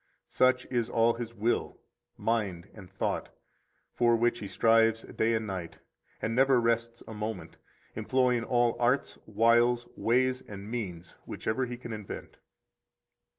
64 Such is all his will, mind, and thought, for which he strives day and night, and never rests a moment, employing all arts, wiles, ways, and means whichever he can invent.